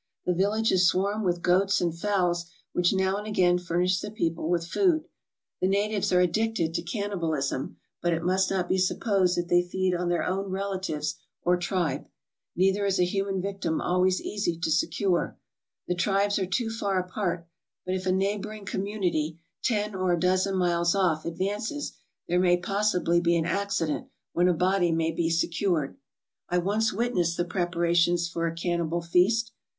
The villages swarm with goats and fowls, which now and again furnish the people with food. The natives are addicted to cannibalism, but it must not be supposed that they feed on their own relatives or tribe. Neither is a human victim always easy to secure. The tribes are too far apart; but if a neighboring community, ten or a dozen miles off, ad vances, there may possibly be an accident, when a body may be secured. I once witnessed the preparations for a cannibal feast.